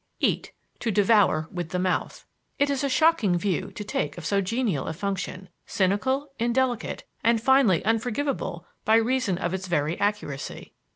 "Eat: to devour with the mouth." It is a shocking view to take of so genial a function: cynical, indelicate, and finally unforgivable by reason of its very accuracy.